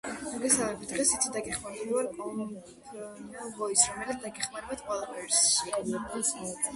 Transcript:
მოგესალმებით დღეს რითი დაგეხმაროთ მე ვარ commpn voice რომელიც დაგეხმარებით ყველაფერსი